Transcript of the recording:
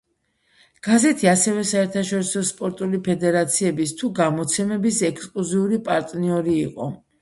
გაზეთი ასევე საერთაშორისო სპორტული ფედერაციების თუ გამოცემების ექსკლუზიური პარტნიორი იყო.